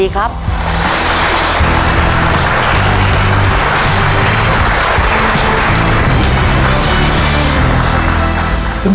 ๑หมื่น